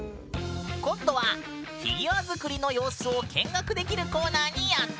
今度はフィギュア作りの様子を見学できるコーナーにやって来た。